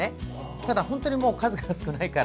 でも、本当に数が少ないから。